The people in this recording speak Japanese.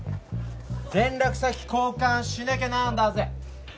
連絡先交換しなきゃなんだＺＥ。